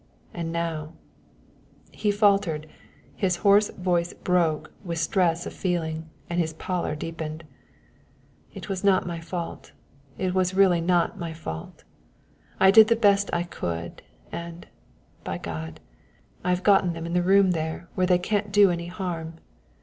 And now " He faltered, his hoarse voice broke with stress of feeling, and his pallor deepened. "It was not my fault it was really not my fault! I did the best I could, and, by God, I've got them in the room there where they can't do any harm!